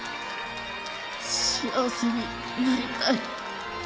幸せになりたい。